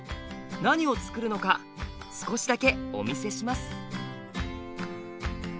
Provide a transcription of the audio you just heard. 何をつくるのか少しだけお見せします。